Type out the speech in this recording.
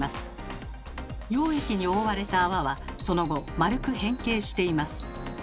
溶液に覆われた泡はその後丸く変形しています。